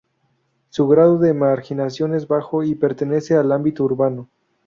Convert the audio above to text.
Su grado de marginación es bajo y pertenece al ámbito urbano.